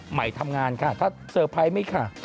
ใหม่ทำงานค่ะถ้าเซอร์ไพรส์ไม่ค่ะ